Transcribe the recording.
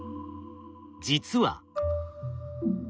実は。